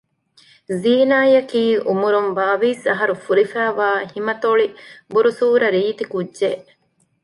ޒީނާއަކީ އުމުރުން ބާވީސް އަހަރު ފުރިފައިވާ ހިމަތޮޅި ބުރުސޫރަ ރީތި ކުއްޖެއް